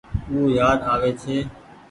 او يآد آوي ڇي۔